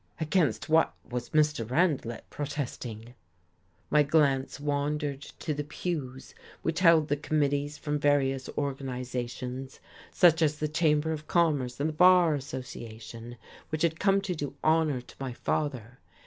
Against what was Mr. Randlett protesting? My glance wandered to the pews which held the committees from various organizations, such as the Chamber of Commerce and the Bar Association, which had come to do honour to my father.